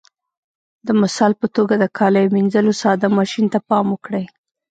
د مثال په توګه د کاليو منځلو ساده ماشین ته پام وکړئ.